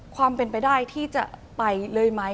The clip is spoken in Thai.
ความเป็นไปได้ที่จะไปเลยไหม